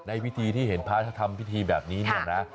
ในพิธีที่เห็นพระธรรมพิธีแบบนี้นี่นะ